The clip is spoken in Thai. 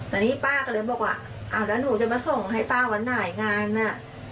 แต่นี่ป้าก็เลยบอกว่าอ้าวแล้วหนูจะมาส่งให้ป้าวันไหนงานน่ะ